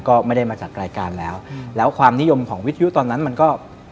ก็ไม่ได้มาจัดรายการแล้วแล้วความนิยมของวิทยุตอนนั้นมันก็